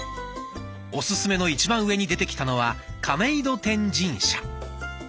おすすめの一番上に出てきたのは「亀戸天神社」。